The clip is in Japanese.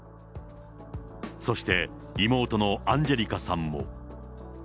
そして妹のアンジェリカさんも。